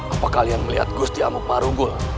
apa kalian melihat gusti amuk marugul